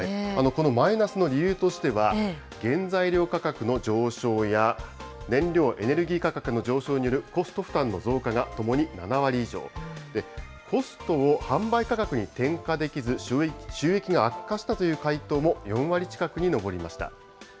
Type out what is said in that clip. このマイナスの理由としては、原材料価格の上昇や、燃料・エネルギー価格の上昇によるコスト負担の増加がともに７割以上、コストを販売価格に転嫁できず、収益が悪化したという回答も４割近くに上りました。